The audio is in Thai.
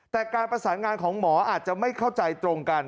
แต่การประสานงานของหมออาจจะไม่เข้าใจตรงกัน